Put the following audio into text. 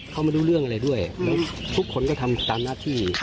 เขาไม่รู้เรื่องอะไรด้วยทุกคนก็ทำตามหน้าที่